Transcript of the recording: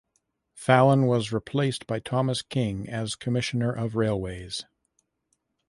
Thallon was replaced by Thomas King as Commissioner of Railways.